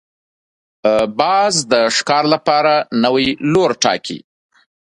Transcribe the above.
باز د ښکار لپاره نوی لوری ټاکي